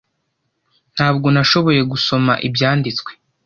Ntabwo nashoboye gusoma ibyanditswe